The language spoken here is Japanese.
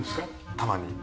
たまに。